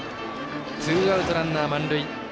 ツーアウト、ランナー満塁。